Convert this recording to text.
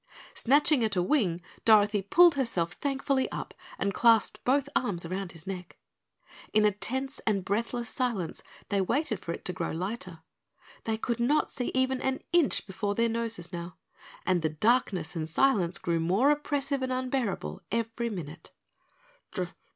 Snatching at a wing, Dorothy pulled herself thankfully up and clasped both arms round his neck. In a tense and breathless silence they waited for it to grow lighter. They could not see even an inch before their noses now, and the darkness and silence grew more oppressive and unbearable every minute.